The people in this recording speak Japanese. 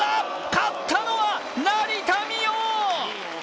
勝ったのは成田実生！